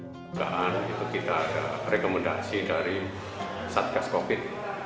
pembukaan itu kita rekomendasi dari satgas covid sembilan belas